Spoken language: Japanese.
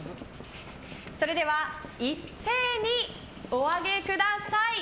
それでは一斉にお上げください。